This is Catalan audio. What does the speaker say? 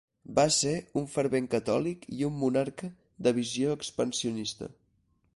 Va ser un fervent catòlic i un monarca de visió expansionista.